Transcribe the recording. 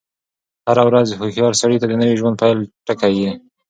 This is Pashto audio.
هره ورځ هوښیار سړي ته د نوی ژوند د پيل ټکی يي.